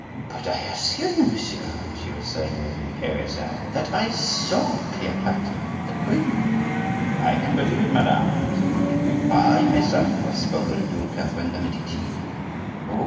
"But I assure you, monsieur," she was saying, with an imperious air, "that I saw Cleopatra, the queen." "I can believe it, madame," said my neighbor, "for I myself have spoken to Catherine de' Medici." "Oh!